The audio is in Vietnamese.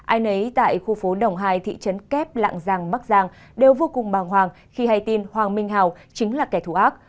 ai nấy tại khu phố đồng hai thị trấn kép lạng giang bắc giang đều vô cùng bàng hoàng khi hay tin hoàng minh hào chính là kẻ thù ác